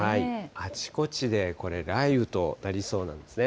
あちこちでこれ、雷雨となりそうなんですね。